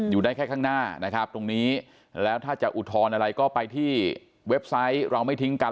อยู่ได้แค่ข้างหน้านะครับตรงนี้แล้วถ้าจะอุทธรณ์อะไรก็ไปที่เว็บไซต์เราไม่ทิ้งกัน